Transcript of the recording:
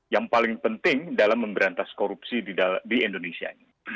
yang paling penting dalam memberantas korupsi di indonesia